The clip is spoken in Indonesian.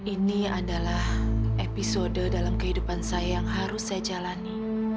ini adalah episode dalam kehidupan saya yang harus saya jalani